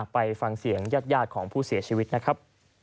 ไปฟังเสียงญาติของผู้เสียชีวิตนะครับ